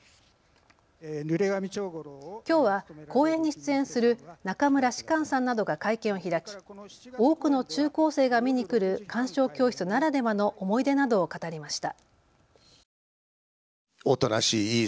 きょうは公演に出演する中村芝翫さんなどが会見を開き多くの中高生が見に来る鑑賞教室ならではの思い出などを語りました。